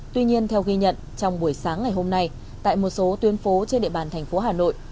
tuy nhiên theo ghi nhận trong buổi sáng ngày hôm nay tại một số tuyến phố trên địa bàn thành phố hà nội